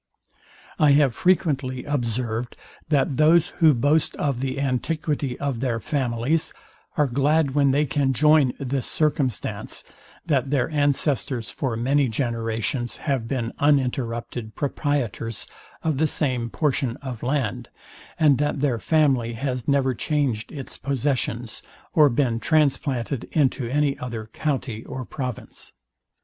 I have frequently observed, that those, who boast of the antiquity of their families, are glad when they can join this circumstance, that their ancestors for many generations have been uninterrupted proprietors of the same portion of land, and that their family has never changed its possessions, or been transplanted into any other county or province.